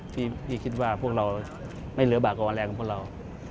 ถือว่าพวกเราไม่เหลือบากกว่าแรกของพวกเรา